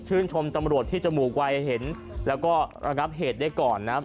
ชื่นชมตำรวจที่จมูกไวเห็นแล้วก็รับเหตุได้ก่อนนะ